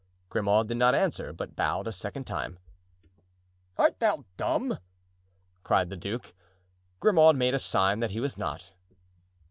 Grimaud did not answer, but bowed a second time. "Art thou dumb?" cried the duke. Grimaud made a sign that he was not.